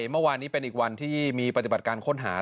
เมื่อวานนี้เป็นอีกวันที่มีปฏิบัติการค้นหา